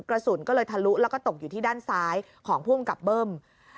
กระสุนก็เลยทะลุแล้วก็ตกอยู่ที่ด้านซ้ายของผู้กำกับเบิ้ม